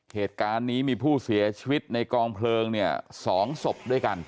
เหตุการณ์นี้มีผู้เสียชีวิตในกองเพลิงเนี่ย๒ศพด้วยกัน